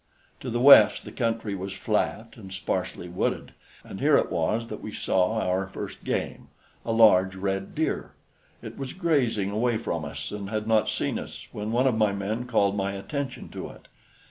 To the west the country was flat and sparsely wooded, and here it was that we saw our first game a large red deer. It was grazing away from us and had not seen us when one of my men called my attention to it.